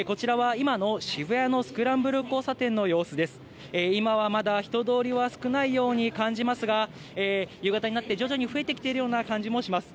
今はまだ、人通りは少ないように感じますが、夕方になって徐々に増えてきているような感じもします。